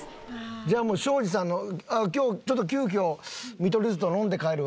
じゃあもう庄司さんが「今日ちょっと急きょ見取り図と飲んで帰るわ」。